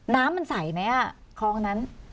น้ำมันใสไหมคลองนั้น